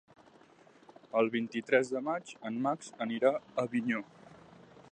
El vint-i-tres de maig en Max anirà a Avinyó.